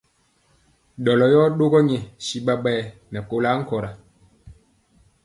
Ɗɔlɔ yɔ ɗogɔ nyɛ si ɓaɓayɛ nɛ kolɔ ankɔra.